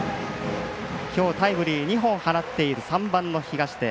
きょうタイムリー２本放っている３番、東出。